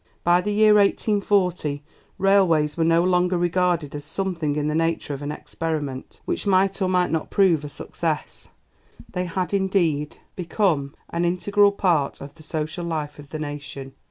By the year 1840 railways were no longer regarded as something in the nature of an experiment, which might or might not prove a success; they had, indeed, become an integral part of the social life of the nation.